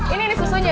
ini ini susunya